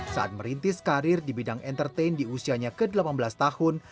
saat merintis karir di bidang entertain di usianya ke delapan belas tahun